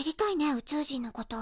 宇宙人のこと。